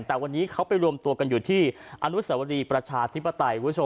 แต่วันนี้เขาไปรวมตัวกันอยู่ที่อนุสวรีประชาธิปไตย